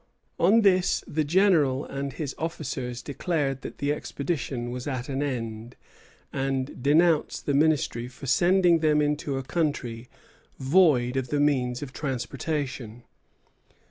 On this the General and his officers declared that the expedition was at an end, and denounced the Ministry for sending them into a country void of the means of transportation.